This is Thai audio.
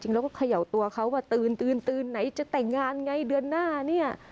เราก็เขย่าตัวเขาว่าตื่นไหนจะแต่งงานไงเดือนหน้าเนี่ย